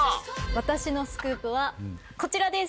私のスクープはこちらです！